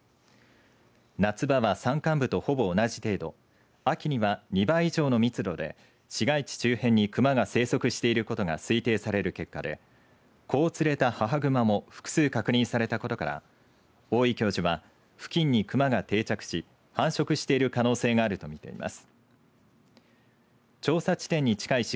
夏場は山間部とほぼ同じ程度秋には２倍以上の密度で市街地周辺にクマが生息していることが推定される結果で子を連れた母グマも複数確認されたことから大井教授は、付近にクマが定着し繁殖している可能性があるとみています。